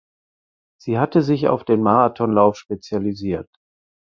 Sie hatte sich auf den Marathonlauf spezialisiert.